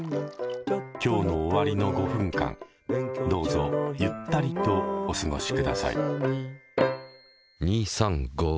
今日の終わりの５分間どうぞゆったりとお過ごしください。